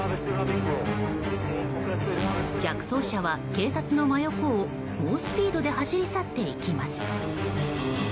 逆走車は警察の真横を猛スピードで走り去っていきます。